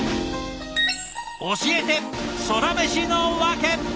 教えてソラメシのワケ！